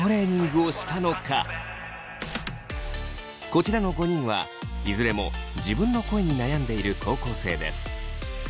こちらの５人はいずれも自分の声に悩んでいる高校生です。